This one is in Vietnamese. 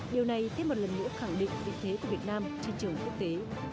điều này tiếp một lần nữa khẳng định vị thế của việt nam trên trường quốc tế